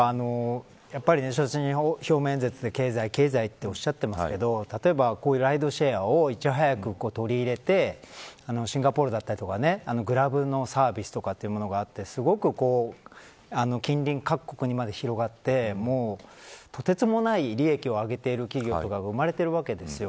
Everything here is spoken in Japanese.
やっぱり所信表明演説で経済経済とおっしゃってますけど例えば、こういうライドシェアをいち早く取り入れてシンガポールだったりとかグラブのサービスとかというものがあってすごく近隣各国にまで広がってとてつもなく利益を上げている企業が生まれているわけですよ。